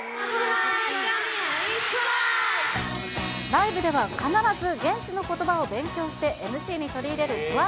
ライブでは、必ず現地のことばを勉強して、ＭＣに取り入れるＴＷＩＣＥ。